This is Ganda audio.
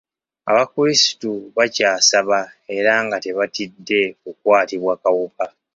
Abakulisitu bakyasaba era nga tebatidde kukwatibwa kawuka.